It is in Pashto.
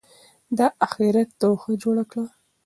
د آخرت توښه جوړه کړئ.